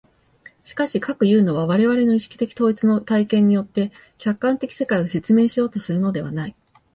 しかし、かくいうのは我々の意識的統一の体験によって客観的世界を説明しようとするのではない。